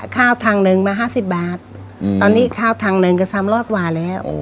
ข้าวทางหนึ่งมา๕๐บาทตอนนี้ข้าวทางหนึ่งก็๓๐๐กว่าแล้ว